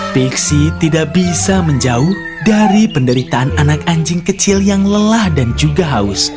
pixie tidak bisa menjauh dari penderitaan anak anjing kecil yang lelah dan juga haus